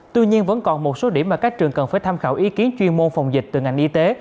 tuy nhiên vẫn còn một số điểm mà các trường cần phải tham khảo ý kiến chuyên môn phòng dịch từ ngành y tế